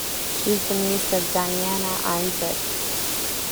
She is the niece of Diana Isaac.